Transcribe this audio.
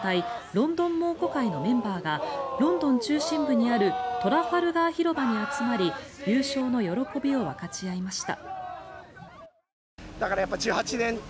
ロンドン猛虎会のメンバーがロンドン中心部にあるトラファルガー広場に集まり優勝の喜びを分かち合いました。